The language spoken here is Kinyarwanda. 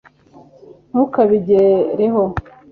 ntukabigereho